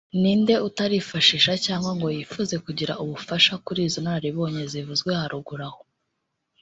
ni nde utarifashisha cyangwa ngo yifuze kugira ubufasha kuri izo nararibonye zivuzwe haruguru aho